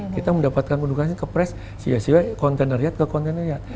kita mendapatkan pendukungan kepres siwai siwai konteneryat ke konteneryat